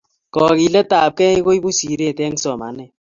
Kakilet ab kei koipu siret eng somanet